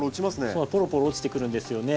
そうポロポロ落ちてくるんですよね。